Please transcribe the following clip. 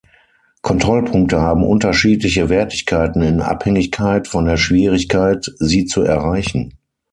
Kontrollpunkte haben unterschiedliche Wertigkeiten in Abhängigkeit von der Schwierigkeit sie zu erreichen.